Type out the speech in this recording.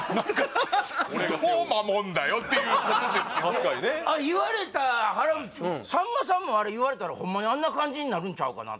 どう守んだよっていうことですけど言われた原口君さんまさんもあれ言われたらホンマにあんな感じになるんちゃうかな